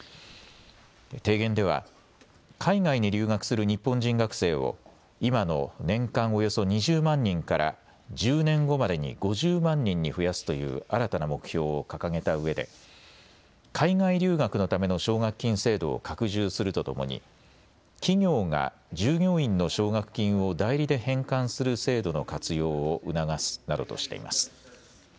提言では海外に留学する日本人学生を今の年間およそ２０万人から１０年後までに５０万人に増やすという新たな目標を掲げたうえで、海外留学のための奨学金制度を拡充するとともに企業が従業員の奨学金を代理で返還する制度の活用を促すなどとしています。